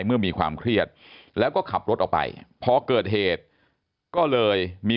เมื่อมีความเครียดแล้วก็ขับรถออกไปพอเกิดเหตุก็เลยมี